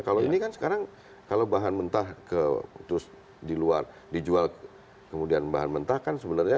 kalau ini kan sekarang kalau bahan mentah terus di luar dijual kemudian bahan mentah kan sebenarnya